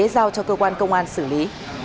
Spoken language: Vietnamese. giao cho cơ quan công an xử lý